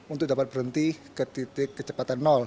untuk dapat berhenti ke titik kecepatan